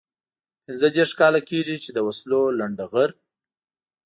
پنځه دېرش کاله کېږي چې د وسلو لنډه غر.